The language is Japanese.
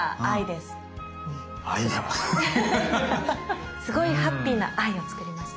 すごいハッピ−な「Ｉ」を作りました。